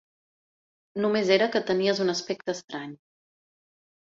Només era que tenies un aspecte estrany.